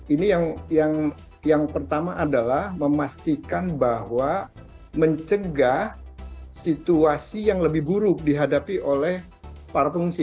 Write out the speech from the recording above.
ini yang pertama adalah memastikan bahwa mencegah situasi yang lebih buruk dihadapi oleh para pengungsi